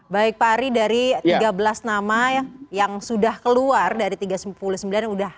baik pari dari tiga belas nama yang sudah keluar dari tiga puluh sembilan sudah ada tiga belas rakyat